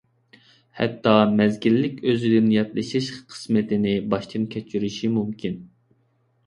ھەتتا مەزگىللىك ئۆزىدىن ياتلىشىش قىسمىتىنى باشتىن كەچۈرۈشى مۇمكىن.